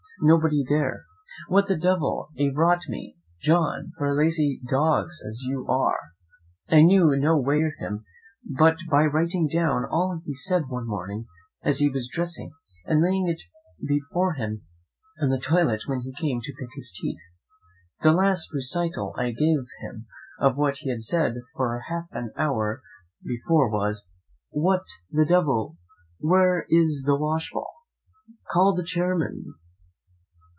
nobody there? What the devil, and rot me, John, for a lazy dog as you are!' I knew no way to cure him but by writing down all he said one morning as he was dressing, and laying it before him on the toilet when he came to pick his teeth. The last recital I gave him of what he said for half an hour before was, 'What, the devil! where is the washball? call the chairmen!